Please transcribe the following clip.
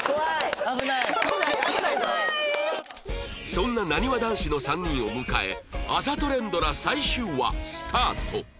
そんななにわ男子の３人を迎えあざと連ドラ最終話スタート